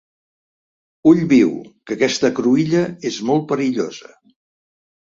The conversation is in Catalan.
Ull viu!, que aquesta cruïlla és molt perillosa.